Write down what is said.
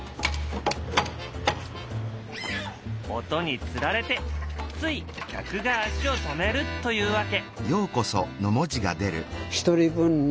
音につられてつい客が足を止めるというわけ。